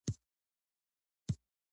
موږ باید له غلطو تبلیغاتو څخه ځان وساتو.